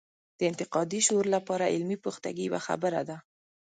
د انتقادي شعور لپاره علمي پختګي یوه خبره ده.